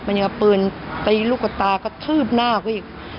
มันยังเอาปืนตีลูกตากระทืบหน้าเขาอีก